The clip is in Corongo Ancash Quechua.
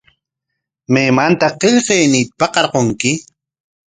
¿Maymantaq qillqayniita pakarqurki?